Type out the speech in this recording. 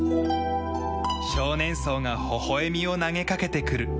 少年僧がほほ笑みを投げかけてくる。